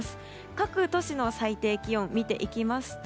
各都市の最低気温を見ていきますと